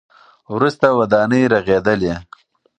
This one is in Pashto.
وروسته ودانۍ رغېدلې.